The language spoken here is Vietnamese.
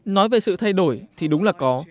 nói về sự thay đổi thì đúng là có